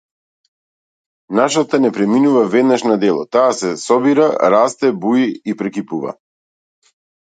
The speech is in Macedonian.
Нашата не преминува веднаш на дело, таа се собира, расте, буи и прекипува.